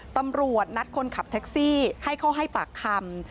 ตำรวจนัดคนขับแท็กซี่ให้เข้าให้ปากคำ